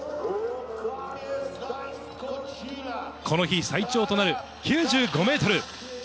この日最長となる９５メートル。